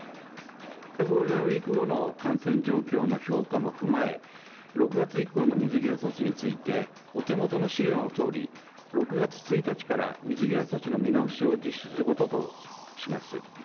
ゴールデンウイーク後の感染状況の評価も踏まえ６月以降の水際措置について、お手元の資料のとおり、６月１日から水際措置の見直しを実施することとします。